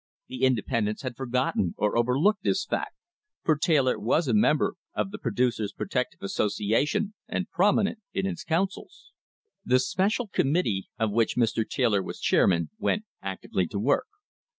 * The independents had forgotten or overlooked this fact, for Taylor was a member of the Producers' Protective Associa tion and prominent in its councils. The special committee, of which Mr. Taylor was chair man, went actively to work.